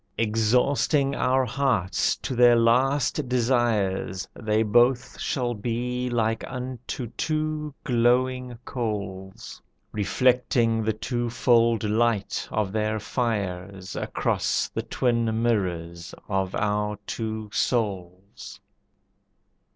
Exhausting our hearts to their last desires, They both shall be like unto two glowing coals, Reflecting the twofold light of their fires Across the twin mirrors of our two souls.